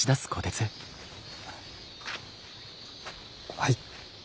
はい。